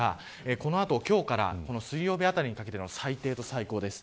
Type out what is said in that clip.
この後、今日から水曜日あたりにかけての最高と最低です。